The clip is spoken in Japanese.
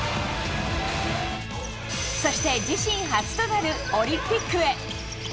そして、自身初となるオリンピックへ。